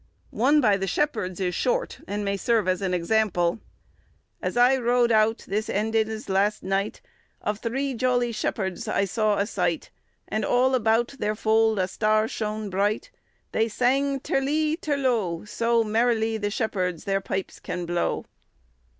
One by the Shepherds is short, and may serve as an example. "As I out rode this endenes (last) night, Of thre ioli sheppardes I saw a sight, And all a bowte there fold a star shone bright, They sange terli terlow, So mereli the sheppards ther pipes can blow."